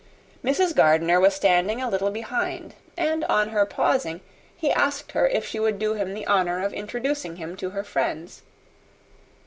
Mrs. Gardiner was standing a little behind; and on her pausing, he asked her if she would do him the honour of introducing him to her friends.